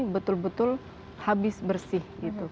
betul betul habis bersih